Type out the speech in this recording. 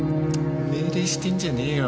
命令してんじゃねえよ！